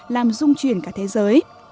làm dung chuyển cả thế giới